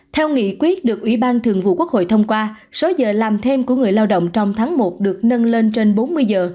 theo nghị quyết được ủy ban thường vụ quốc hội thông qua số giờ làm thêm của người lao động trong tháng một được nâng lên trên bốn mươi giờ